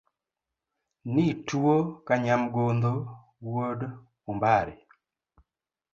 Nituo ka nyamgodho wuod ombare